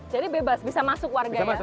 jadi bebas bisa masuk warganya